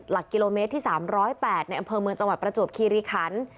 หลักกิโลเมตรที่๓๐๘ในอำเภอเมืองจังหวัดประจวบคีรีคัน